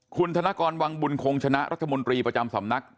คุณธนกรวังบุญคงชนะรัฐมนตรีประจำสำนัก